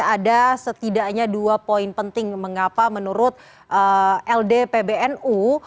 ada setidaknya dua poin penting mengapa menurut ldpbnu